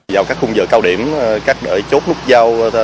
vào các khung giờ cao điểm các đỡ chốt nút giao